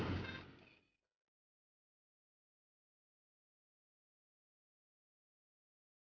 bunda gak akan ingali bening